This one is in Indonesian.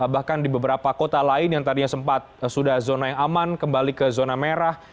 bahkan di beberapa kota lain yang tadinya sempat sudah zona yang aman kembali ke zona merah